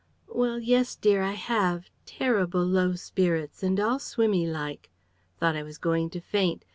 "Well yes, dear, I have. Terrible low spirits and all swimmy like. Thought I was going to faint.